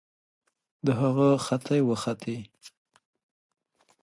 د هغه ختې وختې